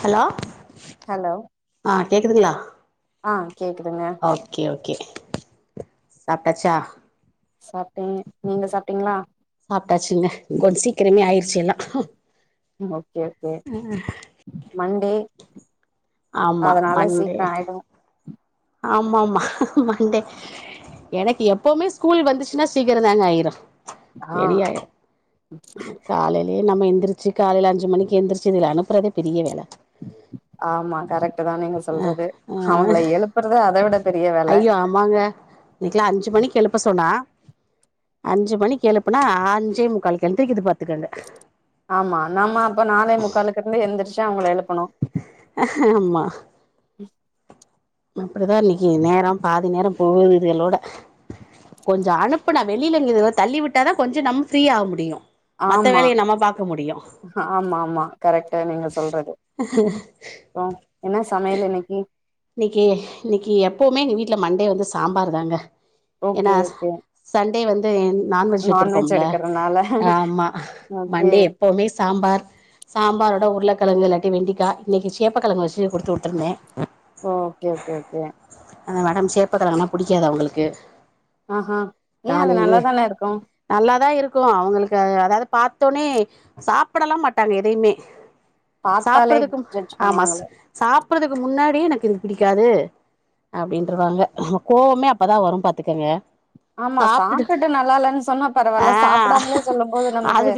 hello hello ஆ கேக்குதுங்ளா ஆ கேக்குதுங்க ஓகே ஓகே சாப்ட்டாச்சா சாப்டே நீங்க சாப்ட்டீங்ளா சாப்ட்டாச்சுங்க கொஞ்ச சீக்கிரமே ஆயிடுச்சு எல்லா ஓகே ஓகே மண்டே ஆமா அதனால மண்டே சீக்ர ஆயிடு ஆமா ஆமா மண்டே எனக்கு எப்பவுமே ஸ்கூல் வந்துச்சுன்னா சீக்கிரந்தாங்க ஆயிரு ஆ [unintelligible] காலையிலே நம்ம எந்திருச்சு காலையில அஞ்சு மணிக்கு எந்திரிச்சு இதுகள அனுப்புறதே பெரிய வேல ஆமா கரெக்ட்டு தா நீங்க சொல்றது அவுங்கள ஆ எழுப்புறது அத விட பெரிய வேல ஆமாங்க இன்னிக்ளா அஞ்சு மணிக் எழுப்ப சொன்னா அஞ்சு மணிக் எழுப்புனா அஞ்சே முக்காலுக்கு எழுந்திருக்குது பாத்துக்கங்க ஆமா நாம அப்ப நாலே முக்காலுக்கு இருந்து எந்திரிச்சு அவுங்கள எழுப்பணு அஹ் ஆமா அப்டிதா இன்னிக்கி நேரோ பாதி நேரம் போகுது இதுகளோட கொஞ்ச அனுப்புன வெளியில இதுலேங் தள்ளி விட்டா தா கொஞ்ச நம் ஃப்ரீ ஆக முடியு மத்த ஆமா வேலைய நம்ம பாக்க முடியு ஆமா ஆமா கரெக்டு நீங்க சொல்றது அப்றோ [inaudible] என்ன சமையல் இன்னைக்கி இன்னைக்கி இன்னைக்கி எப்போமே எங்க வீட்ல மண்டே வந்து சாம்பார் தாங்க ஏன்னா ஓகே ஓகே சண்டே வந்து நான்வெஜ் எடுத்திருப்போம்ல ஆமா ஓகே மண்டே எப்போமே சாம்பார் சாம்பாரோட உருளக்கழங்கு இல்லாட்டி வெண்டிகா இன்னைக்கு சேப்பக்கழங்கு வச்சு குடுத்து உட்டுருந்த ஓகே ஓகே ஓகே அந்த மேடம் சேப்பக்கிழங்குண்ணா புடிக்காது அவுங்களுக்கு ஆஹா ஏன் அது நல்லாதான இருக்கு நல்லாதா இருக்கு அவுங்களுக்கு அதாவது பார்த்தோனே சாப்படலா மாட்டாங்க எதையுமே பாத்தாலே சாப்பறதுக்கு ஜட்ஜ் ஆமா பண்ணுவாங்கள சாப்பட்றதுக்கு முன்னாடி எனக் இது பிடிக்காது அப்டின்றவாங்க கோவமே அப்பதா வரு பாத்துக்கங்க ஆமா சாப்ட்டுட்டு சாப்ட்டு நல்லா இல்லன்னு சொன்னா ஆ பரவாயில்ல சாப்பிடாமலே சொல்லும் போது நமக்கு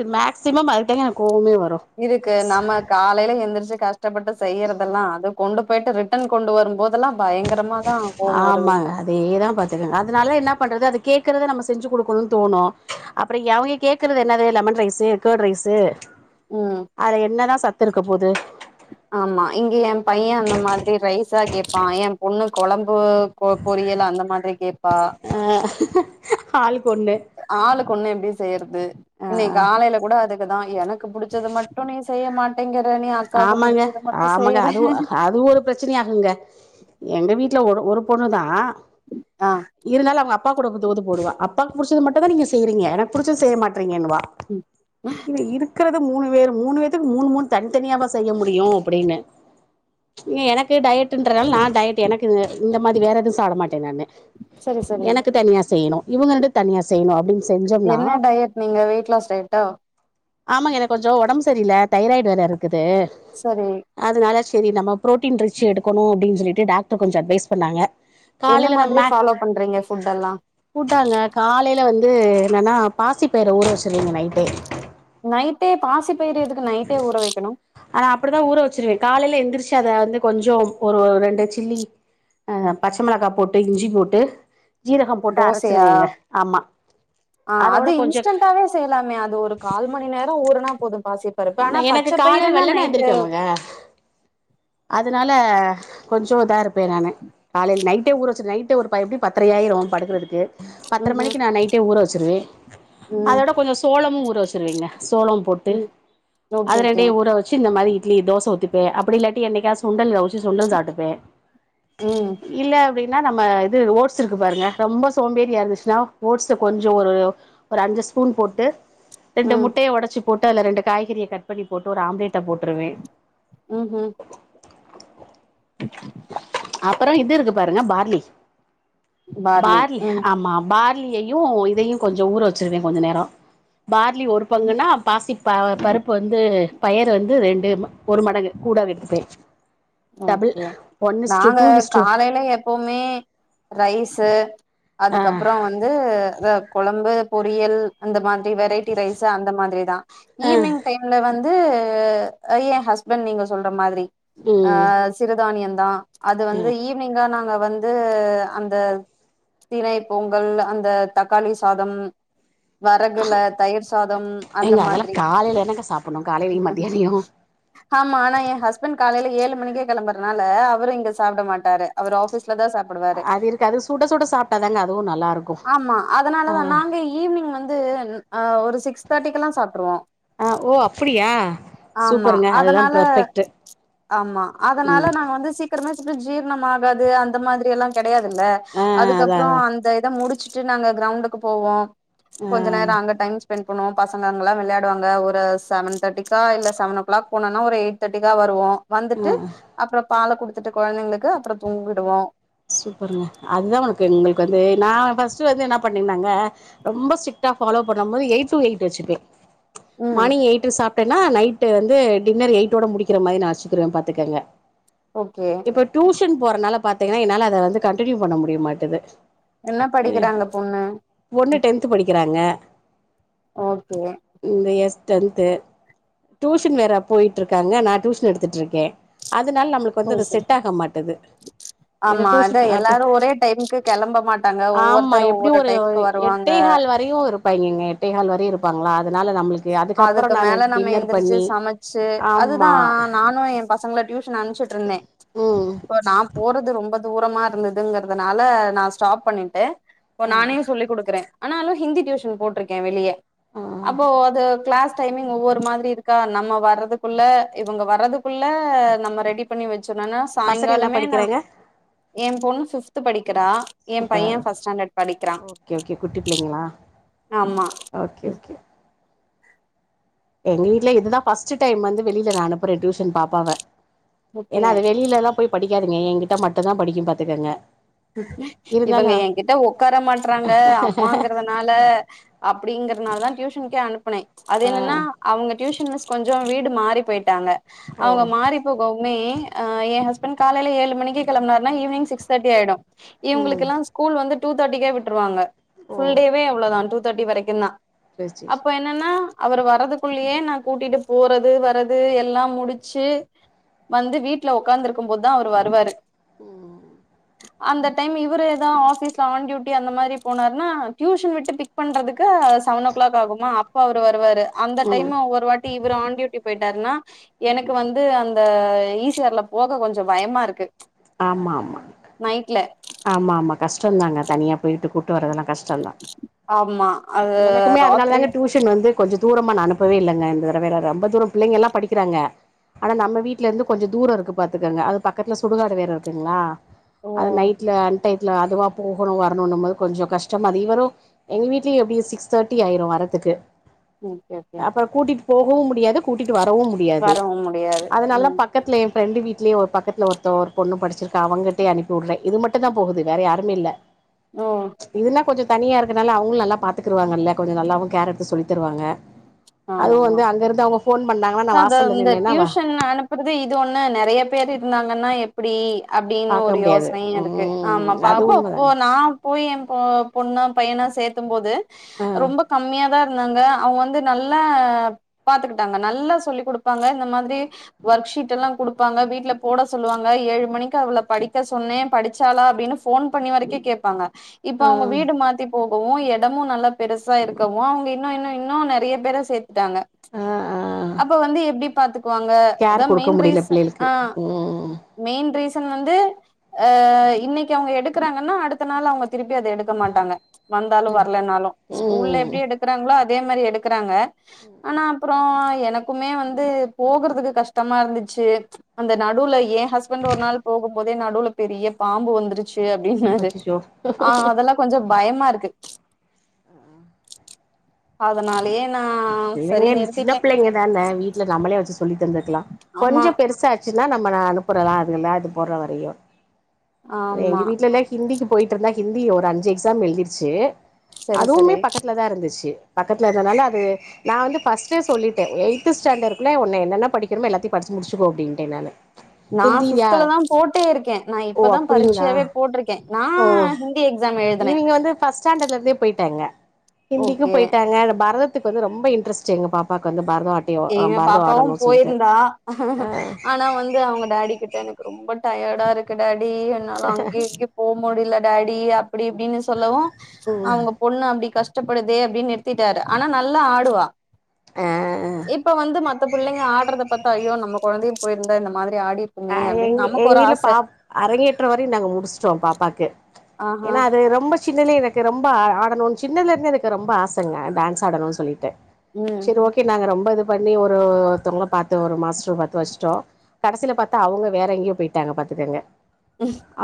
சிமம் அதுக்தாங்க எனக்கு கோவமே வரும் இருக்கு நம்ம காலையில எந்திரிச்சு கஷ்டப்பட்டு செய்யறதெல்லா அது கொண்டு போயிட்டு ரிட்டன் கொண்டு வரும்போது அதெல்லா பயங்கரமாதா கோவோ வருது ஆமாங்க அதேதா பாத் அதனால என்ன பண்றது அது கேக்குறத நம்ம செஞ்சி குடுக்கணுன் தோணு அப்டி எவி கேட்கறது எல்லாமே லெமன் ரைஸ்சு கேர்ட் ரைஸ்சு ம் அதல என்னதா சத்து இருக்க போது ஆமா இங்க ஏன் பையன் அந்த மாதிரி ரைஸா கேட்பான் ஏன் பொண்ணு கொழம்பு பொ பொரியல் அந்த மாரி கேட்பா அ ஆளுக் ஒன்னு ஆளுக்கு ஒண்ணு எப்டி செய்றது ஆ இன்னைக் காலையில கூட அதுக்குதா எனக்கு புடிச்சது மட்டு நீங்க செய் செய்ய மாட்டேங்கற நீ அக்காக்கு ஆமாங்க புடிச்சது மட்டு ஆமாங்க செய்ற அது அது ஒரு பிரச் சனயாகுங்க எங்க வீட்டுல ஒரு ஒரு பொண்ணுதா ஆ இருந்தாலு அவங்க அப்பா கூட புத் தூது போடுவா அப்பாக் புடிச்சது மட்டு்தா நீங்க செய்றீங்க எனக் புடிச்சது செய்ய மாற்றீங்கன்னுவா ம் இங்க இருக்குறது மூணு பேரு மூணு பேத்துக்கு மூணு மூணு தனி தனியாவா செய்ய முடியு அப்டினு இங்க எனக்கு டயட்டுன்றதால நா டயட் எனக்கு இந்த இந்தஸமாரி வேற எதுவும் சாப்ட மாட்ட நானு சரி சரி எனக்கு தனியா செய்யிணு இவுங்க ரெண்டு தனியா செய்யணு அப்டினு செஞ்சோம்னா என்ன டயட் நீங்க வெயிட் லாஸ் டயட்டா ஆமா எனக்கு கொஞ்சோ ஒடம்பு சரியில்ல தைராய்டு வேற இருக்குது சரி அதுனால சரி நம்ம ப்ரோட்டீன் ரிச் எடுக்கணு அப்டினு சொல்லிட்டு டாக்டர் கொஞ்சோ அட்வைஸ் பண்ணாங்க என்ன காலையில மாதிரி ஃபாலோ பண்றீங்க ஃபுட் எல்லா பூட்டாங்க காலையில வந்து என்னன்னா பாசிப்பயிற ஊற வச்சுடுவேங்க நைட்டே நைட்டு பாசி பயிரு எதுக்கு நைட்டே ஊற வெக்கணு அத அப்டித்தா ஊற வச்சிருவ காலையில எந்திரிச்சு அத வந்து கொஞ்சோ ஒரு ரெண்டு சில்லி அ பச்ச மொளகா போட்டு இஞ்சி போட்டு சீரகம் போட்டு தோசையா அரைச்சிருவேங்க ஆமா ஆ அதோட அது கொஞ்சோ இன்ஸ்டன்டாவே செய்லாமே அது ஒரு கால் மணி நேரம் ஊறுனா போது பாசி பருப்பு ஆனா எனக்கு பச்ச காலைல பயிறுன்னா வெள்ளன்ன நைட்டு எந்திரிக்கனுங்க அதுனால கொஞ்சோ இதா இருப்பே நானு காலையில நைட்டே ஊற வச்சிரு நைட்டு ஒரு பய் எப்டியு பத்தரை ஆயிரு படுக்குறதுக்கு பத்தர ம்ஹும் மணிக்கு நா நைட்டே ஊற வச்சிருவே ம் அதோட கொஞ்சோ சோளமு ஊற வச்சிருவேங்க சோளம் போட்டு ம் ஓகே அது ஓகே ரெண்டையு ஊற வச்சு இந்த மாதிரி இட்லி தோச ஊத்திப்பே அப்டி இல்லாட்டி என்னைக்காது சுண்டல் அவிச்சி சுண்டல் சாட்டுப்பே ம் இல்ல அப்டினா நம்ம இது ஓட்ஸு இருக்கு பாருங்க ரொம்ப சோம்பேறியா இருந்துச்சின்னா ஓட்ஸ கொஞ்சோ ஒரு ஒரு அஞ்சு ஸ்பூன் போட்டு ரெண்டு ம் முட்டைய ஒடச்சு போட்டு அதுல ரெண்டு காய்கறிய கட் பண்ணி போட்டு ஒரு ஆம்லேட்ட போட்டுருவே ம் ம் அப்றோ இது இருக்கு பாருங்க பார்லி பார்லி ஆமா பார் யையு இதையு கொஞ்சோ ஊற வச்சிருவே கொஞ்ச நேரோ பார்லி ஒரு பங்குன்னா பாசி ப பருப்பு வந்து பயரு வந்து ரெண்டு ஒரு மடங்கு கூட எத்துப்பே ஓகே நாங்க காலையில எப் ப்போமே ரைசு ஆ அதுக்கப்பறோ வந்து கொழம்பு பொரியல் அந்த மாதிரி வெரைட்டி ரைஸு அந்த மாதிரிதா ம் ஈவ்னிங் டைம்ல வந்து என் ஹஸ்பண்ட் நீங்க சொல்ற மாதிரி ஆ ம் சிறுதானியந்தா அது வந்து ஈவ்னிங்கா நாங்க வந்து அந்த திணை பொங்கல் அந்த தக்காளி சாதம் வரகுல தயிர் சாதம் அந்த ஏங்க அதெல்லா மாதிரி காலையில என்னங்க சாப்புட்ணு காலையிலயு மத்தியானயு ஆமா ஆனா என் ஹஸ்பண்ட் காலையில ஏழு மணிக்கே கெளம்பறனால அவரு இங்க சாப்ட மாட்டாரு அவர் ஆஃபீஸ்லதா சாப் போடுவாரு அது இருக்காது சுட சுட சாப்ட்டாதாங்க அதுவு நல்லா இருக்கு ஆமா ஆ அதனாலதா நாங்க ஈவினிங் வந்து ம் அ ஒரு சிக்ஸ் தேர்ட்டிக்கெல்லா சாப்ட்ருவோ ஆ ஓ அப்படியா ஆமா சூப்பருங்க அதுதா அதனால பெர்ஃபெக்ட்டு ஆமா அதனால ம் நாங்க வந்து சீக்கிரமா செஞ்சு ஜீரணம் ஆகாது அந்த மாதிரி எல்லா கெடையாதில்ல ஆ அதா அதுக்கப்புறோ அதா அந்த இத முடிச்சிட்டு நாங்க கிரௌண்டுக்கு போவோ கொஞ்ச ஆ நேரோ அங்க டைம் ஸ்பெண்ட் போனு பசங்கங்கெல்லா விளையாடுவாங்க ஒரு செவன் தேர்ட்டிக்கா இல்ல செவன் ஓ கிளாக் போனனா ஒரு எயிட் தேர்ட்டிக்கா வருவோ வந்துட்டு அப்பற பால குடுத்துட்டு கொழந்தைங்களுக்கு அப்பற தூங்கிடுவோ சூப்பருங்க அதுதா உனக்கு உங்களுக்கு வந்து நா ஃபஸ்ட்ட் வந்து என்ன பண்ணேனாங்க ரொம்ப ஸ்ட்ரிக்டா ஃபாலோ பண்ணும் போது எய்ட் டு எய்ட் வச்சுக்லா ம் மார்னிங் எயிட்டு சாப் எப்படின்னா நைட்டு வந்து டின்னர் எயிட்டோட முடிக்கிற மாரி நா வச்சிக்குறுவே பாத்துக்கங்க ஓகே இப்ப டியூஷன் போறனால பாத்தீங்கன்னா என்னால அத வந்து கன்டினியூ பண்ண முடிய மாட்டுது என்ன படிக்கிறாங்க பொண்ணு பொண்ணு டென்த்து படிக்கிறாங்க ஓகே இந்த இயர் டென்து டியூஷன் வேற போய்ட்டு இருக்காங்க நா டியூஷன் எடுத்துட்டுருக்கே அதனால நம்மளுக்கு வந்து அது செட் ஆக மாட்டுது ஏன்னா ஆமா அத டியூஷன் எல்லாரு ஒரே டைமுக்கு கிளம்ப மாட்டாங்க ஆமா ஒவ்வொருத்தரு எப்டியு ஒவ்வொரு ஒரு டைம்க்கு வர எட்டே கால் வரையு இருப்பாங்கங்க எட்டா கால் வரையு இருப்பாங்களா அதனால நம்மளுக் அதுக்கு மேல நம்ம எந்திரிச்சு சமச்சு அதுதா ஆமா நானு எ பச பசங்கள டியூஷன் அனுப்ச்சிட்டுருந்தே ம் இப்ப நா போறது ரொம்ப தூரமா இருந்ததுங்கறதுனால நா ஸ்டாப் பண்ணிட்டே இப்ப நானே சொல்லி குடுக்குறே ஆனாலு ஹிந்தி டியூஷன் போட்ருக்கே வெளிய ஆ அப்போ அது கிளாஸ் டைமிங் ஒவ்வொரு மாதிரி இருக்கா நம்ம வர்றதுக்குள்ள இவங்க வர்றதுக் குள்ள நம்ம ரெடி பண்ணி வச்சிடுனு [unintelligible] பசங்க என்ன சாயங்காலமே நா படிக்கிறாங்க எ பொண்ணு ஃபிப்து படிக்கிறா எ பைய சூப்பர் ஃபஸ்ட் ஸ்டாண்டர்ட் படிக்கிறா ஓகே ஓகே குட்டி பிள்ளைங்களா ஆமா ஓகே ஓகே எங்க வீட்ல இதுதா ஃபர்ஸ்ட் டைம் வந்து வெளில நா அனுப்றே டியூஷன் பாப்பாவ ஓகே ஏன்னா அது வெளிலலா போய் படிக்காதுங்க என்கிட்ட மட்டுதா படிக்கு பாத்துக்கங்க இவங்க இருந்தாலு என்கிட்ட உக்கார மாட்டறாங்க அம்மாங்றத னால அப்டிங்கறனால தா டியூஷன்கே அனுப்புனே அது ஆ என்னன்னா அவுங்க டியூஷன் மிஸ் கொஞ்சோ வீடு மாறி போய்ட்டாங்க ஓ அவுங்க மாறிப் போகவுமே எ ஹஸ்பண்ட் காலேல ஏழு மணிக்கு கிளம்பனாருனா ஈவ்னிங் சிக்ஸ் தார்ட்டி ஆயிடு ம் இவங்களுக்கெலா ஸ்கூல் வந்து டூ தேட்டிக்கே விட்டுருவாங்க ஓ ஃபுல் டேவே அவ்ளோதா டூ தேட்டி வரைக்குதா சேரி சேரி அப்ப சேரி என் என்னன்னா அவர் வரதுக்குள்ளயே நா கூட்டிட்டு போறது வர்றது எல்லா முடிச்சு வந்து வீட்ல உக்காந்துருக்கும் போதுதா அவரு வருவாரு ம் அந்த டைம் இவரு ஏதா ஆஃபீஸ்ல ஆன் டியூட்டி அந்த மாரி போனாருனா டியூஷன் விட்டு பிக் க் பண்றதுக்கு செவன் ஓ கிளாக் ஆகுமா அப்ப அவரு வருவாரு அந்த ம் டைம் ஒவ்வொரு வாட் [unintelligible] இவரு ஆண் டியூட்டி போயிட்டாருன்னா எனக்கு வந்து அந்த ஈஷேர்ல போக கொஞ்ச பயமா இருக்கு ஆமா ஆமா நைட்ல ஆமா ஆமா கஷ்டந்தாங்க தனியா போய்ட்டு கூட்டு வரதெல்லா கஷ்ட் தா ஆமா அது எனக்குமே அதனால ராத்திரி தாங்க டியூஷ் சன் வந்து கொஞ்ச தூரமா நா அனுப்பவே இல்லங்க இந்த தறவெல்ல ரொம்ப தூர பிள்ளைங்கெல்லா படிக்றாங்க ஆனா நம்ம வீட்ல இருந்து கொஞ்ச தூர இருக்கு பாத்துக்கங்க அது பக்கத்துல சுடுகாடு வேற இருக்குங்களா ஓ அது நைட் டைத்துல அதுவா போகணு வரணுன்னும் போது கொஞ்ச கஷ்டமாது இவரு எங்க வீட்லயு எப்டியு சிக்ஸ் தார்ட்டி ஆயிரு வர்ரதுக்கு ஓகே ஓகே அப்ப கூட்டிட்டு போகவு முடியாது கூட்டிட்டு வரவு முடியாது வரவு முடியாது அதனால தா ம் பக் பக்கத்துல என் ஃப்ரெண்டு வீட்லயே ஒரு பக்கத்துல ஒருத்த ஒரு பொண்ணு படிச்சிருக்கா அவங்கிட்டயு அனுப்பி வுடுறேன் இது மட்டும் மட்டும் தா போகுது வேற யாருமே இல்ல ஓ இதுன்னா கொஞ்சம் தனியா இருக்கனால அவுங்களும் நல்லா பாத்துக்கிருவாங்கல்ல கொஞ்சம் நல்லாவும் கேர் எடுத்து சொல்லி தருவாங்க ஆமா அதுவும் ஆமா வந்து அங்க இருந்து அவுங்க ஃபோன் பண்ணாங்கன்னா நா வாசல்ல நின்னேன்னா க்குறது இது ஒண்ணு நெறைய பேர் இருந்தாங்கன்னா எப் இப்படி அப்படின்னு பாக்க ஒரு முடியாது யோசனையும் இருக்கு ஆமா ம் அது பாப்போ இப்போ உண்மதாங்க நான் போய் என் பொ பொண்ணா பையனா சேர்த்தும் போது ஆ ரொம்ப கம்மியா தான் இருந்தாங்க அவுங்க வந்து நல்லா பாத்துக்கிட்டாங்க நல்லா சொல்லி குடுப்பாங்க இந்த மாதிரி ஒர்க் ஷீட் எல்லாம் குடுப்பாங்க வீட்ல போட சொல்வாங்க ஏழு மணிக்கு அவள படிக்க சொன்னேன் படிச்சாளா அப்டின்னு ஃபோன் பண்ணி வரைக்கு கேப்பாங்க இப்ப ஆ அவுங்க வீடு மாத்தி போகவும் இடமும் நல்லா பெருசா இருக்கவும் அவுங்க இன்னும் இன்னும் இன்னும் நெறைய பேர சேத்துட்டாங்க ஆ ஆ அப்ப வந்து எப்படி பாத்துக் வாங்க கேர் அதான் குடுக்க மெயின் முடியல ரீசன் பிள்ளைகளுக்கு ஆ ம் மெயின் ரீசன் வந்து அ இன்னைக்கு அவுங்க எடுக்குறாங்கன்னா அடுத்த நாள் அவுங்க திருப்பி அத எடு எடுக்க மாட்டாங்க வந்தாலும் வரலனாலும் ஸ்கூல்ல ம் எப்படி எடுக்குறாங்களோ அதே மாதிரி எடுக்குறாங்க ஆனா அப்றம் எனக்குமே வந்து போகறதுக்கு கஷ்டமா இருந்துச்சு அந்த நடுல ஏன் ஹஸ்பண்ட் ஒரு நாள் போகும் போதே நடுவுல பெரிய பாம்பு வந்துருச்சு அப்படின்னாரு அச்சச்சோ ஆ அதெல்லாம் கொஞ்சம் பயமா இருக்கு அதனாலயே நா சரி பிள்ளைங்க சின்ன நிறுத்திட்டே பிள்ளைங்க தான வீட்டுல நம்மளே வச்சு சொல்லி தந்துருக்கலாம் ஆமா கொஞ்சம் பெருசா ச்சுனா நம்ம நா அனுப்புறலாம் அதுங்கல்லா இது போற வரையும் எங்க ஆமா வீட்லலா ஹிந்திக்கு போயிட்டு இருந்தா ஹிந்தி ஒரு அஞ்சு எக்ஸாம் எழுதிருச்சு சரி அதுவுமே சரி பக்கத்து வீட்ல தா இருந்துச்சி பக்கத்துல இருந்ததால அது நா வந்து ஃபர்ஸ்டே சொல்லிட்டேன் எய்த் ஸ்டாண்ட்ர்டு குள்ள உன்ன என்னன்ன படிக்கிறமோ எல்லாத்தையும் படிச்சு முடிச்சுக்கோ அப்டின்டேன் நானு நா ஹிந்தியா ஃபிஃப்துல தான் போட்டே இருக்கேன் நா ஓ இப்பதான் பரீட்சையாவே போட்டிருக்கேன் நா ஹிந்தி எக்ஸாம் எழுதுனே இவுங்க வந்து ஃபர்ஸ்ட் ஸ்டாண்டர்ட்ல இருந்தே போயிட்டாங்க ஹிந்திக்கும் ஓகே போயிட்டாங்க பரத க்கு வந்து ரொம்ப இன்ட்ரஸ்ட்டு எங்க பாப்பாக்கு வந்து பரதம் ஆட் எங்க பாப்பாவும் போயிருந்தா ஆ ஆனா வந்து அவுங்க டாடி கிட்ட எனக்கு ரொம்ப டயர்டா இருக்கு டாடி என்னால அங்க இங்க போக முடியல டாடி அப்படி இப்படின்னு சொ சொல்லவும் ம் அவுங்க பொண்ணு அப்படி கஷ்டப்படுதே அப்படின்னு நிறுத்திட்டாரு ஆனா நல்லா ஆடுவா ஆ இப்ப வந்து மத்த பிள்ளைங்க ஆட்றத பாத்தா ஐயோ நம்ம கொழந்தையும் போயிருந்தா இந்த மாரி ஆடி அ எங்க எங்க வீட்ல பாப் அரங்கேற்றம் வரையும் நாங்க முடிச்சுட்டோம் பாப்பாக்கு ஆஹா ஏன்னா அது ரொம்ப சின்னதுலயே எனக்கு ரொம்ப ஆ ஆடணும்னு சின்னதுல இருந்தே எனக்கு ரொம்ப ஆசங்க டான்ஸ் ஆடணுன்னு சொல்லிட்டு ம் செரி ஓகே நாங்க ரொம்ப இது பண்ணி ஒரு ஒருத்தவுங்கள பாத்து ஒரு மாஸ்டர் பாத்து வச்டோம் கடைசியில பாத் அவுங்க வேற எங்கையோ போயிட்டாங்க பாத்துக்கங்க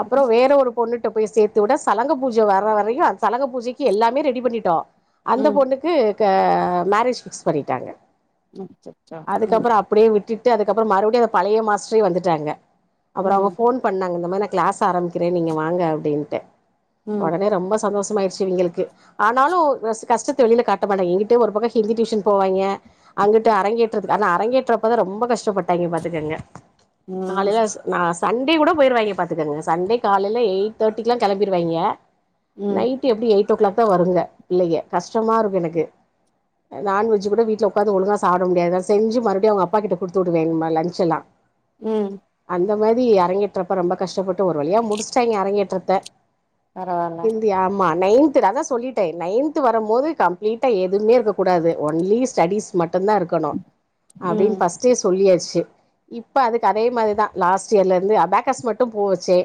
அப்புறம் வேற ஒரு பொண்ணுட்ட ட்ட போய் சேர்த்து விட சலங்க பூஜை வர்ற வரையும் அந்த சலங்க பூஜைக்கு எல்லாமே ரெடி பண்ணிட்டோம் அந்த ம் பொண்ணுக் க்கு மேரேஜ் பிக்ஸ் பண்ணிட்டாங்க ம் அச்சச்சோ ம் அதுக்கப்புறம் அப் அப்டியே விட்டுட்டு அதுக்கப்புறம் மறுபடியும் அந்த பழைய மாஸ்டரே வந்துட்டாங்க அப்றம் அவங்க ம் போன் பண்ணாங்க இந்தமாரி நாங்க கிளாஸ் ஆரம்பிக்கிறேன் நீங்க வாங்க அப்படின்ட்டு ம் உடனே ரொம்ப சந்தோஷம் ஆயிடுச்சு இவிங்களுக்கு ஆனாலும் கஷ் கஷ்டத்த வெளில காட்ட மாட்டாய்ங்க இங்கிட்டு ஒரு பக்கம் ஹிந்தி டியூஷன் போவாய்ங்க அங்கட்டு அரங்கேற்றத்துக்கு ஆனா அரங்கேற்றப்பதான் ரொம்ப கஷ்டப்பட்டாய்ங்க பாத்துக்கங்க ம் காலையில நா சண்டே கூட போயிடுவாங்க பாத்துக்கங்க சண்டே காலைல எயிட் தேர்ட்டிக்கெலாம் கிளம்பிடுவாங்க ம் நைட் எப்படி எயிட் ஓ கிளாக் தான் வருங்க பிள்ளைங்க கஷ்டமா இருக்கும் எனக்கு நான்வெஜ் கூட வீட்ல உக்காந்து ஒழுங்கா சாப்ட முடியாது செஞ்சு மறுபடியும் அவுங்க அப்பாக்கிட்ட குடுத்து விடுவேன் இந்த மாரி லஞ்செல்லாம் ம் அந்த மாதி அறங்கேற்றப்ப ரொம்ப கஷ்டப்பட்டு ஒரு வழியா முடிச்சுட்டாய்ங்க அறங்கேற்றத்த பரவால்ல தியா ஆமா நைன்த்ல அதா சொல்லிட்டே நைன்த் வரும் போது கம்ப்ளீட்டா எதுவுமே இருக்கக்கூடாது ஓன்லி ஸ்டடிஸ் மட்டுந்தா இருக்கணு ம் அப்டின்னு பஸ்டே சொல்லியாச்சி இப்ப அதுக் அதே மாதிரிதா லாஸ்ட் இயர்ல இருந்து அபேக்காஸ் மட்டு போச்சு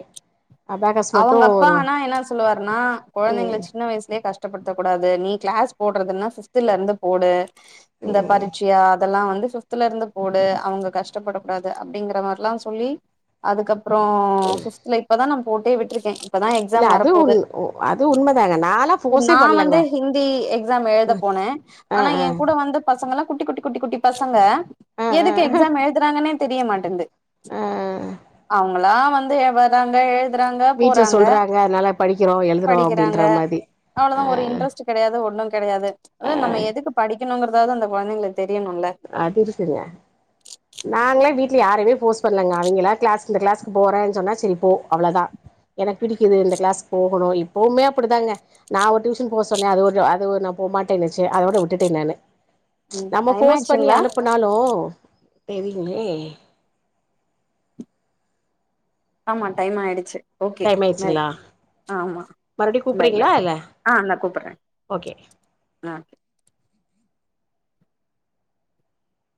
அவுங்க அப்பா ஆனா என்ன சொல்லுவாருன்னா கொழந்தைங்கள ம் சின்ன வயசுலே கஷ் கஷ்டப்படுத்தக் கூடாது நீ கிளாஸ் போட்றதுன்னா சிக்ஸ்த்துல இருந்து போடு இந்த ம் பரிச்சி டியா அதெல்லா வந்து ஃபிப்தல இருந்து போடு அவங்க கஷ்டப்படக்க கூடாது அப்டிங்கிற மாரெல்லாம் சொல்லி அதுக்கப்றோ ஃபிப்த்துல இப்பதா நா போட்டே விட்டுருக்கே இப்பதா இல்ல எக்ஸாம் அது வரப்போது உண் அது உண்மதாங்க நாலா இப்ப ஃபோர்ஸே நா வந்து பண்ணலங்க ஹிந்தி எக்ஸாம் எழுத போன ஆ ஆனா ஆ எ கூட வந்து பசங்க எல்லா குட்டி குட்டி குட்டி குட்டி பசங்க ஆ எதுக்கு ஆ எக்ஸாம் எழுதுறாங்கன்னே தெரியமாட்டன்து ஆ அவேங்களா வந்து எ வறங்க எழுத் வீட்ல சொல்றாங்க அதனால படிக்கிறோ எல் படிக்கிறாங்க அவ்ளோதா ஒரு இன்ட்ரெஸ்ட் கெடையாது ஒண்ணு கெடையாது அத ஆ நம்ம எதுக்கு படிக் க்கணுங்கறதாவது அந்த கொழந்தைங்களுக்கு தெரியணுல்ல அதிருக்குங்க நாங்களே வீட்ல யாரையுமே போர்ஸ் பண்ணலங்க அவிங்களா கிளாஸ் இந்த கிளாஸ்க்கு போறேன்னு சொன்னா சரிப் போ அவ்ளதா எனக்கு பிடிக்குது இந்த கிளாஸ்கு போகணு இப்பவுமே அப்டிதாங்க நா ஒரு டியூஷன் போ சொன்னே அது ஒரு அது ஒரு நா போமாட்டேன்னுச்சு அதோட விட்டுட்டே நானு ம் டைம் ஆயிட்ச்சுங்ளா னாலோ தெரிலே ஆமா டைம் ஆயிடுச்சி டைம் ஆயிடுச்சுங்களா மறுபடியு பாய் கூப்பறீங்களா பாய் இல்ல ஓகே லாஓகே